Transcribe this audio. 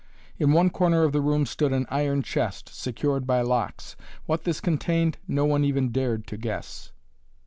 In one corner of the room stood an iron chest, secured by locks. What this contained no one even dared to guess.